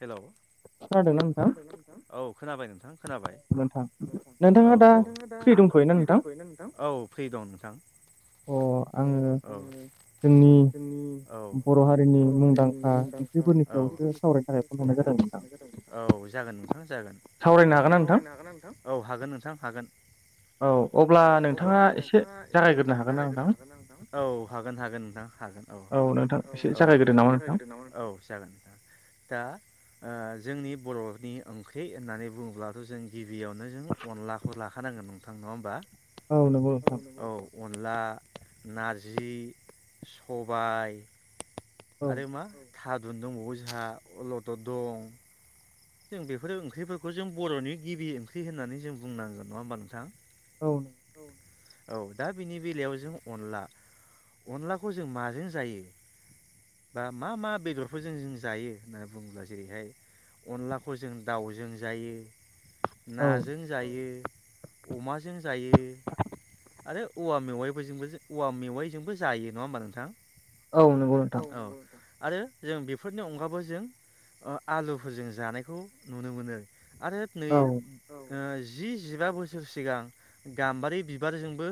Hello, औ खोनाबाय नोंथां खोनाबाय। औ औ औ फ्रि दं नोंथां। अ' आङो जोंनि बर' हारिनि मुंदांखा ओंख्रिफोरनि सायावसो सावरायनो थाखाय औ जागोन नोंथां जागोन। सावरायनो हागोन ना नोंथां औ हागोन नोंथां हागोन। औ अब्ला नोंथाङा एसे जागायग्रोनो हागोन ना नोंथां? औ हागोन हागोन नोंथां हागोन। औ औ औ एसे जागायगोरदो नामा नोंथां औ जागोन दा ओ जोंनि बर'नि ओंख्रि होननानै बुङोब्लाथ' जों गिब बियावनो जों अनलाखौ लाखानांगोन नोंथां नङा होमबा? औ नोंगौ नोंथां। अनला, नारजि, सबाय आरो मा थादुन दंबावो जोंहा अलद' दं। जों बेफोर ओंख्रिफोरखौ जों बर'नि गिबि ओंख्रि होननानै जों बुंनांगोन नङा होमबा नोंथां? औ औ दा बिनि बेलायाव जों अनला अनलाखौ जों माजों जायो? बा मा मा बेदरफोरजों जों जायो? होननानै बुङोब्ला जेरैहाय अनलाखौ जों दाउजों जायो, नाजों जायो। अमाजों जायो। आरो औवा मेवाइफोरजोंबो औवा मेवाइजोंबो जायो। नङा होमबा नोंथां? औ नंगौ नोंथां। आरो जों बेफोरनि अनगाबो जों ओ आलुफोरजों जानायखौ नुनो मोनो। आरो नै औ ओ जि जिबा बोसोर सिगां गाम्बारि बिबारजोंबो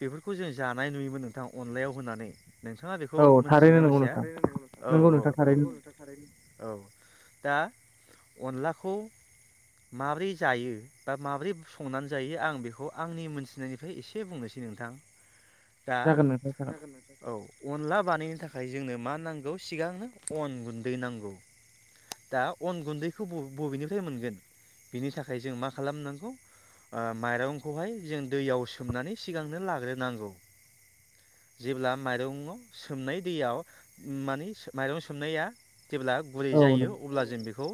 बेफोरखौ जों जानाय नुयो‌ बो नोंथां अनलायाव होनानै। नोंथाङा बेखौ मिथिगोना मिथिया औ औ औ औ। दा अनलाखौ माबोरै जायो? बा माबोरै संनानै जायो? आं बेखौ आंनि मोनथिनायनिफ्राय एसे बुंनो सै नोंथां। [inaudible] दा औ। अनला बानायनो थाखाय जोंनो मा नांगौ, सिगांनो अन गुन्दै नांगौ। दा अन गुन्दैखौ ब-बबेनिफ्राय मोनगोन बिनि थाखाय जों मा खालाम नांगौ? आ माइरंखौहाय जों दैयाव सोमनानै सिगांनो लाग्रोनांगौ। [inaudible] जेब्ला माइरङाव सोमनाय दैयाव माने माइरं सोमनाया जेब्ला जायो अब्ला जों बेखौ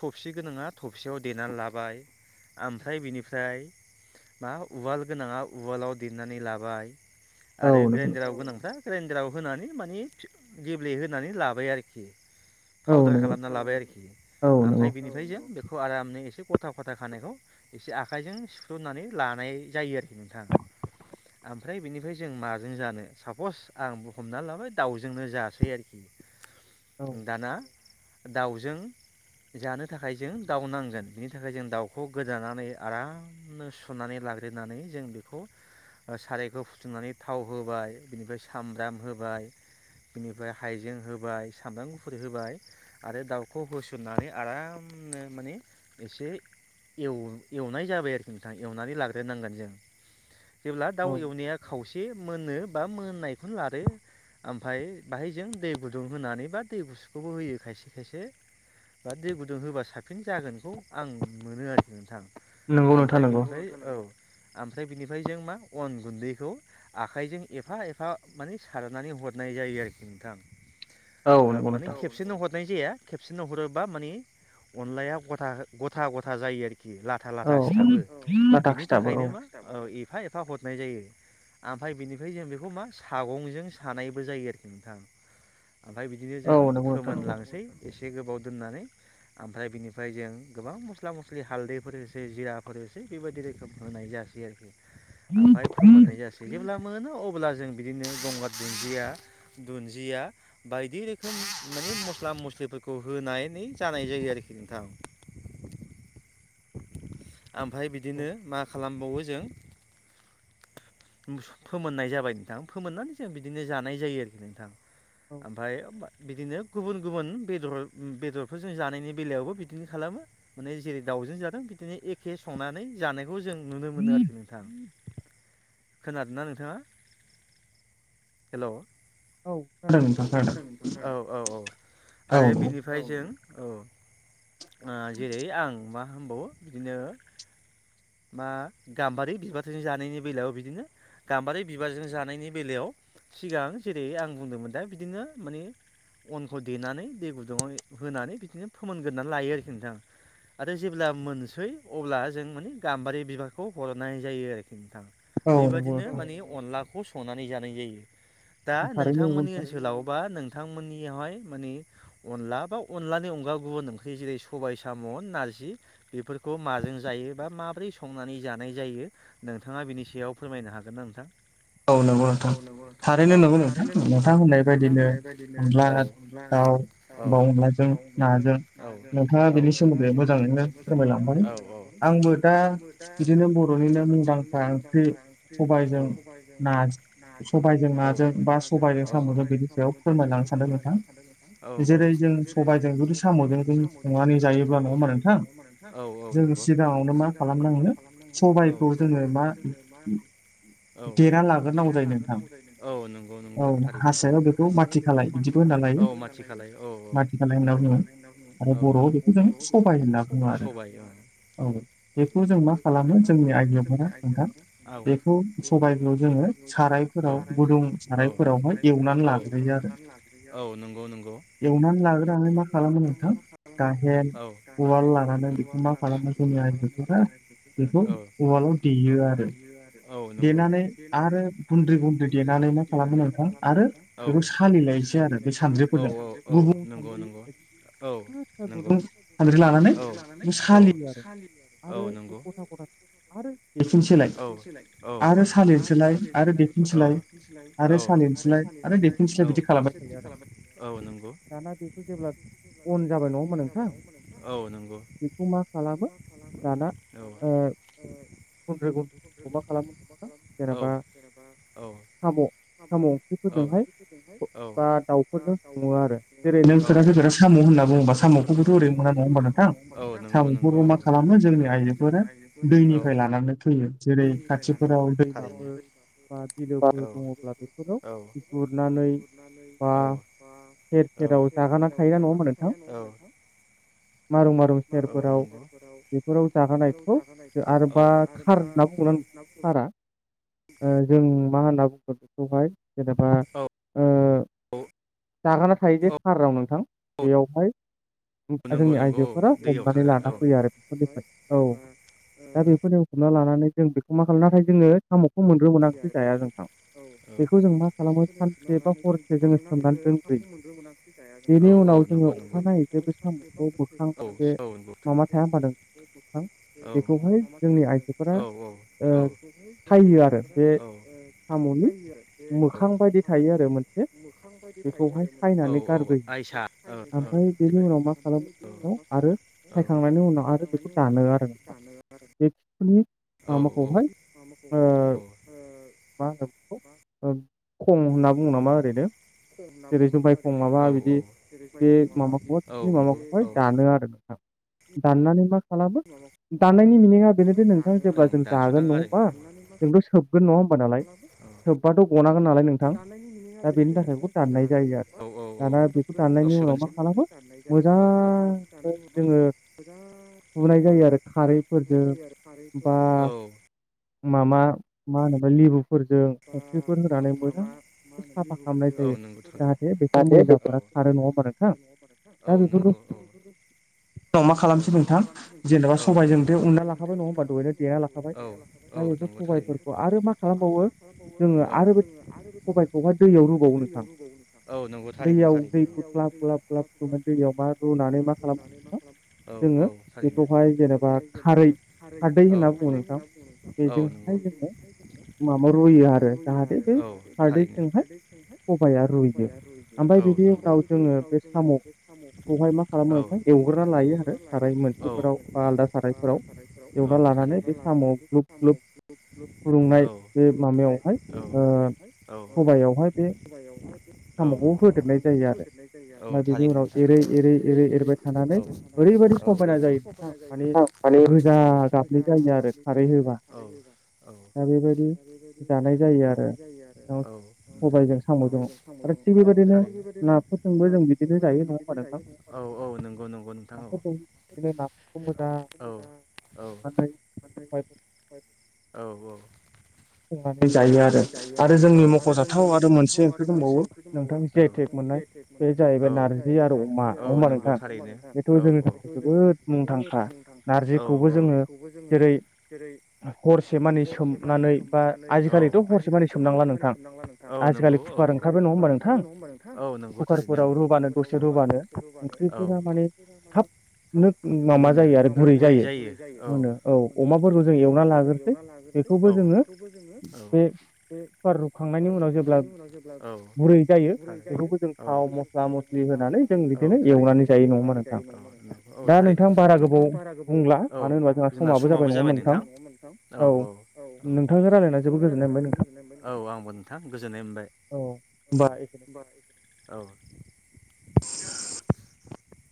थबसि गोनाङा थबसेयाव देनानै लाबाय। आमफ्राय बिनिफ्राय मा उवाल गोनाङा उवालाव देनानै लाबाय आरो ग्राइन्दाराव गोनांफ्रा ग्रेन्डाराव होनानै माने गेब्लेहोनानै लाबाय आरोखि। फाउदार खालामना लाबाय आरोखि। ओमफाय बेनिफाय जों बे खौ आरामनो एसे गथा खथा खानायखौ एसे आखाइजों सिफ्रुनानै लानाय जायो आरोखि नोंथां आमफ्राय बिनिफाय जों माजों जानो? साफस आं हमना लाबाय दाउजोंनो जासै आरोखि। [inaudible] दाना दाउजों जानो थाखाय जों दाउ नांगोन बिनि थाखाय जों दाउखौ गोदानै आरामनो सुनानै ला लाग्रोनानै जों बेखौ ओ सारायखौ फुथुंनानै थाव होबाय, बिनिफ्राय सामब्राम होबाय बिनिफ्राय हाइजें होबाय, सामब्राम गुफुर होबाय आरो दाउखौ होसननानै आरामनो माने एसे एवो एवनाय जाबाय आरोखि नोंथां। एवनानै लाग्रोनांगोन जों। जेब्ला दाउ एवनाया खावसे मोनो बा मोननायखौनो लादो ओमफाय बाहाय जों दै गुदुं होनानै बा दै गुसुखौबो होयो खायसे खायसे बा दै गुदुं होबा साबसिन जागोनखौ आं मोनो आरोखि नोंथां। ओमफ्राय बिनिफ्राय औ आम फाय बिनिफाय जों मा अन गुन्दैखौ आखाइजों एफा एफा माने सारनानै हदनाय जायो। आरोखि नोंथां। ओ माने खेबसेनो हद नाय जाया खेबसेनो हरोबा माने अनलाया गथा-गथा-गथा जायो आरो खि लाथा लाथा सिथाबो बिनि थाखायनो मा औ एफा एफा हरनाय जायो। आमफाय बिनिफाय जों बेखौ मा सागंजों सानायबो जायो आरोखि नोंथां। ओमफाय बिदिनो जों फोमोनलांसै एसे गोबाव दोननानै। आमफाय बिनिफाय जों गोबां मस्ला मस्लि हालदैफोर होसै जिराफोर होसै बेबायदि रोखोम होनाय जा जासै आरोखि। आमफाय फोमोननाय जासै। जेब्ला मोनो अब्ला जों बिदिनो गंगार दुन्दिया दुन्दिया बायदि रोखोम माने मस स्ला मस्लिफोरखौ होनायनै जानाय जायो आरोखि नोंथां। आमफाय बिदिनो मा खालामबावो जों फोमोननाय जाबाय नोंथां, फोमोननानै जों बिदिनो जानाय जायो आरोखि नोंथां। ओमफाय बिदिनो गुबुन गुबुन बेदर-बेदरफोरजों जानायनि बेलायावबो बिदिनो खालामो। माने जेरै दाउजों जादों बिदिनो एखे संनानै जानायखौ जों नुनो मोनो आरोखि नोंथां। खोनादोंना नोंथाङा? हेल' औ [unintelligible] औ औ औ आरो बिनिफ्राय जों औ आ जेरै आं मा होनबावो बिदिनो मा गाम्बारि बिबारजों जानायनि बेलायाव बिदिनो गाम्बारि बिबारजों जानायनि बेलायाव सिगां जेरै आं बुंदोंमोन दा बिदिनो माने अनखौ देनानै दै गुदुङाव होनानै बिदिनो फोमोनगोरनानै लायो आरोखि नोंथां। आरो जेब्ला मोननोसै अब्ला जों माने गाम्बारि बिबारखौ हरनाय जायो आरोखि नोंथां। बेबदिनो औ माने अनलाखौ स' संनानै जानाय जायो। दा नोंथांमोननि ओनसोलाव बा नोंथांमोननियावहाय माने अनला बा अनलानि अनगा गुबुन ओंख्रि जेरै सबाय साम', नारजि बेफोरखौ खौ माजों जायो? बा मा ब्रै संनानै जानाय जायो? नोंथाङा बिनि सायाव फोरमायनो हागोन ना नोंथां? औ नंगौ नोंथां। औ थारैनो नंगौ नोंथां नोंथां होननाय बायदिनो औ दाउ बा अनलाजों नाजों नोंथाङा बेनि सोमोन्दै मोजाङैनो फोरमायलांबाय। आंबो दा आंबो दा बिदिनो बर'निनो मुंदांखा ओंख्रि औ सबाइ नाज नाज औ सबायजों नाजों, बा सबायजों सामजों बेनि सायाव फोरमायलांनो सानदों नोंथां। औ औ। जेरै जों सबायजों जुदि साम'जों जों संनानै जायोब्ला नङा होमबा नोंथां? औ औ नंगौ। जों सिगाङावनो मा खालामनांगो सबबायखौ जोङो मा औ देना लाग्रोनांगौ जायो नोंथां। औ नंगौ नंगौ थारैनो औ हारसायाव बेखौ माथि खालायऔ औ माथि खालाय। औ औ माथि खालाइ होनना बुङो। औ बर'आव बेखौ जों सबाइ होनना बुङो। औ बेखौ जों मा खालामो जोंनि आयजो फोरा नोंथां बेखौ बे सबाइखौ जोङो औ सारायफोराव औ सारायफोराव औ [unintelligible] लाग्रोयो आरो। औ नंगौ नंगौ। एवनानै लाग्रोनानै मा खालामो नोंथां गाहेन, उवाल लानानै बेखौ मा खालामो जों औ [unintelligible] देनानै आरो गुन्द्रि गुन्द्रि देनानै मा खालामो नोंथां आरो बेखौ सालिलायनोसै आरो। आरो बे सानद्रिफोरजों गुबुं सानद्रि फिसा फिसा गुदुं सानद्रि लानानै बे खौ सालि रो आरो बे गथा गथा आरो देफिनसेैलाय आरो सालिनोसैलाय आरो देफिनसैलाय आरो सालिनोसैलाय आरो देफिनसैलाय बिदि खालामबाय। [unintelligible] आरो दाना बेखौ जेब्ला अन जाबाय नङो होमबा नोंथां? बेखौ मा खालामो दाना ओ [unintelligible] [unintelligible] खालामो जेनेबा साम' औ औ दा [unintelligible] औ औ साम' होनना बुङोबा साम'खौबोथ' ओरै मोना‌ नङा होमब्ला नोंथां [unintelligible] मा खालामो जोंनि आइजोफोर दैनिफ्राय लानानै फैयो जेरै खाथिफोराव दैमाफोर बा बिलोफोर दङब्ला बेफोराव गुरनानै दा नै औ बा औ सेर सेराव जागारना औ थायो आरो नङा होनबा नोंथां। मारुं मारुं सेरफोराव बेफोराव जागानायखौ आरोबा खार बा खार होनना बुङो। सारा ओ जों मा होनना बुंगो बेखौहाय जेनेबा ओ जागाना थायो जे कारनाव नोंथां। बेयावहाय जोंनि आइजोफोरा हमनानै लाना फैयो आरो बेफोरनिफ्राय औ। [unintelligible] खन मोनग्रोमोना जाया जों नोंथां। बेखौ जों मा खालामो सानसे बा हरसे जोङो सोमनानै दोनग्रोयो। मोनग्रो मोना जों जाया। औ औ नंगौ बेखौ मा खालामनो सानसे बा हरसे सोमनांगौ औं नोंगौ। [unintelligible] बेखौहाय जोंनि आइजोफोरा औ बेखौ हाइ जोंनि आइजोफोरा औ ओ सायो आरो। बे औ साम'नि मोखां बायदि थायो आरो औ औ आइ ओमफ्राय बेनि उनाव मा खालामो बेखौ आरो सायखांनायनि उनाव आरो बेखौ दानो आरो। [unintelligible] माबाखौहाय ओ मा होनो बेखौ ओ खम होनना बुङो नामा ओरैनो। जेरै जों भायखं माबा बिदि बे माबाखौह माबाखौहाय दानो आरो नोंथां। दाननानै मा खालामो दाननायनि मिनिङा बेनोदिे नोंथाङा जेब्ला जों जागोन नङा होमबा जोंथ' सोब सोबगोन नङा होमबा दालाय सोबबाथ' गनांगोन नालाय नोंथां दा बेनि थाखाय बेखौ दाननाय जायो आरो। औ औ। फुनाय जायो आरो खारैफोरजों बा होमबा मा मा होनोमोनलाय लिबु फोरजों संख्रिफोर होनानै मोजां साफा खालामनाय जायो जाहाथे बेफोर मैलाफोरा खारो नङा होमबा नोंथां दा बेफोरखौ उ मा खालामसै नोंथां जेनेबा सबायजों बेे उनना लाखाबाय नङा होमबा दहैनो देना लाखाबाय। दा बेखौ सबायफोरखौ आरो मा खालामबावो औ औ नंगौ थारैनो थारैनो। औ औ थारैनो। औ औ नंगौ। औ थारैनो औ नंगौ। औ औ। सारायफ्राव एवना लानानै बे साम' ग्लुब ग्लुब फुदुंनाय बे औ औ। औ औ थारैनो नोंथां औ। औ मानि औ। औ औ। औ औ थारैनो। औ औ नंगौ नंगौ नोंथां औ। औ औ औ औ। संनानै जायो आरो आरो जोंनि मख'जाथाव आरो मोनसे ओंख्रि दंबावो नोंथानि जि आइ टेक मोननाय औ औ नंगौ थारैनो औ औ। नारजिखौबो जोङो जेरै हरसे मानि सोमनानै नानै आजिखालिथ' हरसे मानि सोमनांला नोंथां नंगौ आजिखालि कुकार ओंखारो नङा होनबा नोंथां? नंगौ थारैनो औ कुकार फोराव रुबानो दसे रुबानो ओंख्रैफोरा माने जाब गुरै जायो औ मोनो औ अमाफोरखौ जों एवनानै लाग्रोसै औ। औ औ औ। औ थाव मस्ला मस्लि थार एवनानै जायो नामा औ थारैनो। नोंथां बारा गोबाव बुंला औ जोंना समाबो जाबाय नोंथां औ औ औ औ। नोंथांजों रायलायना जोबोद गोजोननाय मोनबाय औ आंबो नोंथां गोजोननाय मोनबाय। औ औ। [inaudible]